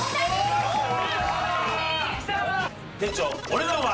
店長お値段は？